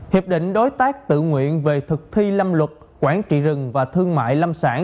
hiệp định đối tác tự nguyện về thực thi lâm luật quản trị rừng và thương mại lâm sản